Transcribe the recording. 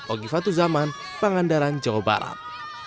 ogi fatu zaman pangandaran jawa barat